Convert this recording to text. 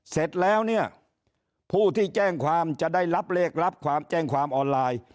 เสร็จแล้วเนี่ยผู้ที่แจ้งความจะได้รับเลขรับความแจ้งความออนไลน์